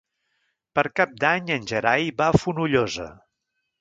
Per Cap d'Any en Gerai va a Fonollosa.